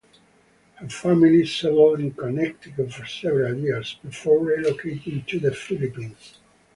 Her family settled in Connecticut for several years before relocating to the Philippines.